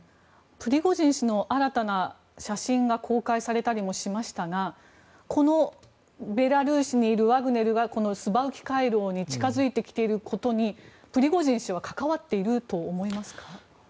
プリゴジン氏の新たな写真が公開されたりもしましたがこのベラルーシにいるワグネルがスバウキ回廊に近付いてきていることにプリゴジン氏は関わっていると思いますか。